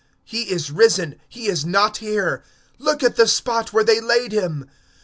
He is risen; he is not here. Behold the place where they laid him.